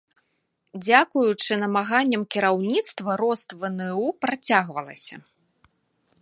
Дзякуючы намаганням кіраўніцтва рост вну працягвалася.